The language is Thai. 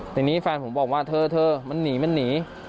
ทีนี้แฟนผมบอกว่าเธอมันหนี